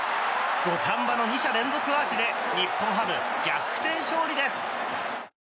土壇場の２者連続アーチで日本ハム逆転勝利です。